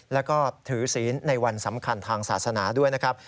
แล้วก็ถือศีลในวันสำคัญทางศาสนาด้วยนะครับ